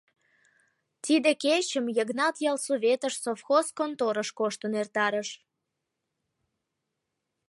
Тиде кечым Йыгнат ялсоветыш, совхоз конторыш коштын эртарыш.